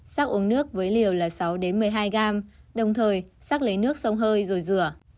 xác uống nước với liều là sáu một mươi hai g đồng thời xác lấy nước sông hơi rồi rửa